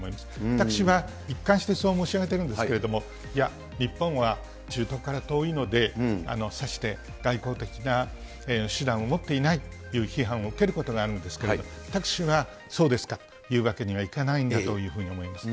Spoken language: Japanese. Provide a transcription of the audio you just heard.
私は一貫してそう申し上げているんですけれども、いや、日本は、中東から遠いので、さして外交的な手段を持っていないという批判を受けることがあるんですけれども、私はそうですかというわけにはいかないんだというふうに思います。